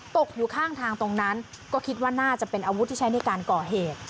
ตกอยู่ข้างทางตรงนั้นก็คิดว่าน่าจะเป็นอาวุธที่ใช้ในการก่อเหตุ